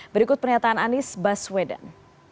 berikut pernyataan anies baswedan